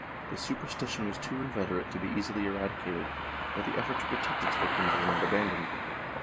The superstition was too inveterate to be easily eradicated, but the effort to protect its victims was not abandoned.